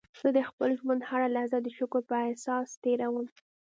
زه د خپل ژوند هره لحظه د شکر په احساس تېرووم.